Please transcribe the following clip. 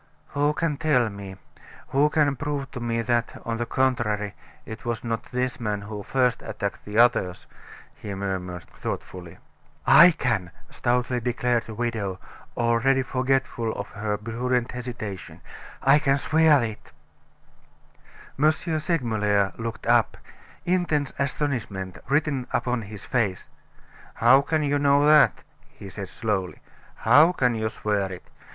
"Who can tell me who can prove to me that, on the contrary, it was not this man who first attacked the others?" he murmured, thoughtfully. "I can," stoutly declared the widow, already forgetful of her prudent hesitation, "I can swear it." M. Segmuller looked up, intense astonishment written upon his face. "How can you know that?" he said slowly. "How can you swear it?